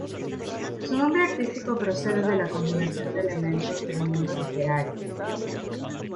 Su nombre artístico procede de la combinación de elementos del mundo literario.